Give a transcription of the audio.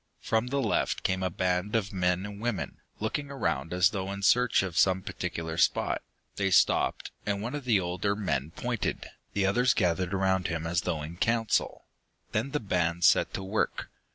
From the left came a band of men and women, looking around as though in search of some particular spot. They stopped, and one of the older men pointed, the others gathering around him as though in council. Then the band set to work.